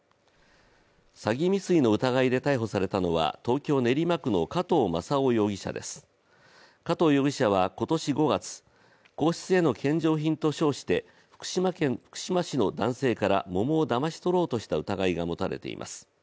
詐欺未遂の疑いで逮捕されたのは東京・練馬区の加藤正夫容疑者です加藤容疑者は今年５月、皇室への献上品と称して福島市の男性から桃をだまし取ろうとした疑いが持たれています。